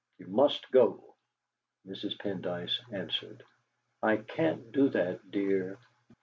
You must go!" Mrs. Pendyce answered: "I can't do that, dear."